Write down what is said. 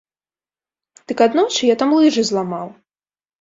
Дык аднойчы я там лыжы зламаў!